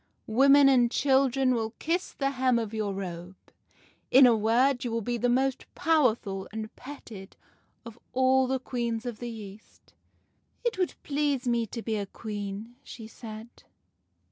Women and children will kiss the hem of your robe. In a word, you will be the most powerful and petted of all the queens of the East.' "' It would please me to be a Queen,' she said.